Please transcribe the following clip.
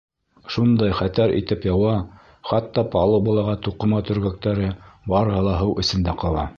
Шундай хәтәр итеп яуа, хатта палубалағы туҡыма төргәктәре барыһы ла һыу эсендә ҡала.